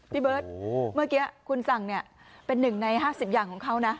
พี่เบิ๊ดเมื่อกี้คุณสั่งเนี้ยเป็นหนึ่งในห้าสิบอย่างของเขานะ